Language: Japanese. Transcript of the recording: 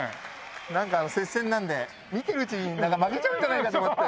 なんか接戦なので見てるうちに負けちゃうんじゃないかと思って。